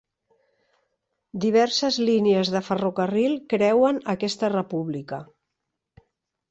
Diverses línies de ferrocarril creuen aquesta república.